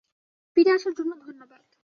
ফিরে আসার জন্য ধন্যবাদ।